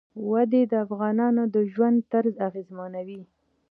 وادي د افغانانو د ژوند طرز اغېزمنوي.